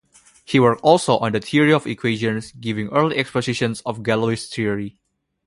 He worked also on the theory of equations, giving early expositions of Galois theory.